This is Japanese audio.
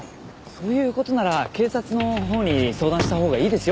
そういう事なら警察のほうに相談したほうがいいですよ。